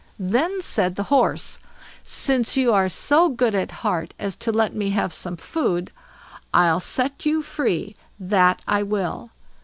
Then said the Horse: "Since you are so good at heart as to let me have some food, I'll set you free, that I will.